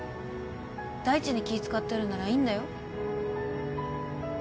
大地に気使ってるならいいんだよ